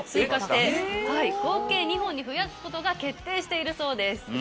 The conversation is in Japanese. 合計２本に増やすことが決定しているそうです。